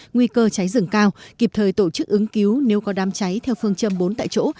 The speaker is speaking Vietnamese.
nguy cơ cháy rừng cao kịp thời tổ chức ứng cứu nếu có đám cháy theo phương châm bốn tại chỗ